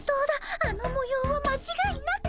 あのもようはまちがいなく。